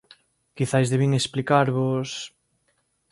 _Quizais debín explicarvos...